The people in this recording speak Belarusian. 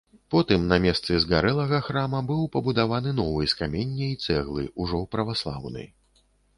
Потым на месцы згарэлага храма быў пабудаваны новы з камення і цэглы, ужо праваслаўны.